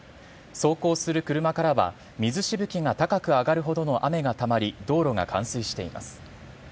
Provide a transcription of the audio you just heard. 走行する車からは、水しぶきが高く上がるほどの雨がたまり、道路が冠水しています。